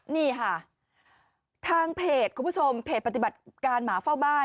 นี่ค่ะทางเพจคุณผู้ชมเพจปฏิบัติการหมาเฝ้าบ้าน